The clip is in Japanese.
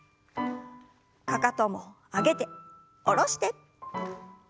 かかとも上げて下ろして。